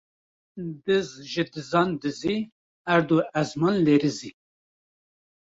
Diz ji dizan dizî, erd û ezman lerizî